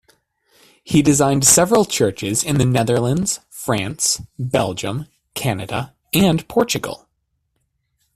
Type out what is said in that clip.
He designed several churches in the Netherlands, France, Belgium, Canada and Portugal.